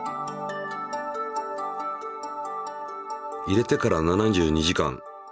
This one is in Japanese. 入れてから７２時間。